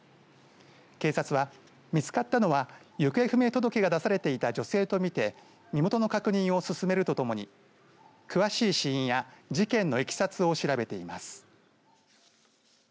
警察は、見つかったのは行方不明届が出されていた女性とみて身元の確認を進めるとともに詳しい死因や事件のいきさつを調べています。